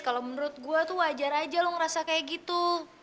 kalau menurut gue tuh wajar aja lu ngerasa kayak gitu